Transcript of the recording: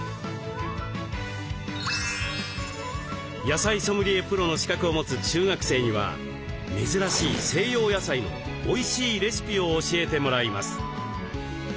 野菜ソムリエプロの資格を持つ中学生には珍しい西洋野菜のおいしいレシピを教えてもらいます。